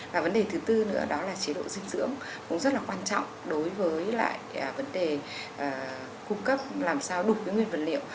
và vấn đề thứ tư nữa đó là chế độ dinh dưỡng cũng rất là quan trọng đối với lại vấn đề cung cấp làm sao đủ cái nguyên vật liệu